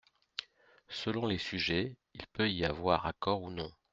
Selon les sujets, il peut y avoir accord ou non.